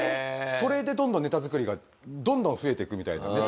それでどんどんネタ作りがどんどん増えていくみたいな。